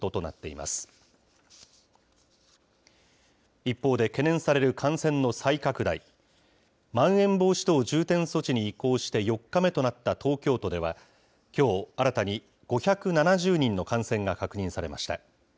まん延防止等重点措置に移行して４日目となった東京都では、きょう、新たに５７０人の感染が確認されました。